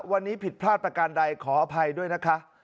วันนี้ผิดพลาดประการใดขออภัยด้วยนะคะ